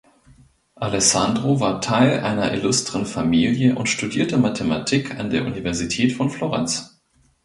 Alessandro war Teil einer illustren Familie und studierte Mathematik an der Universität von Florenz.